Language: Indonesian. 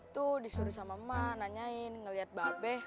tuh disuruh sama emak nanyain ngeliat babeh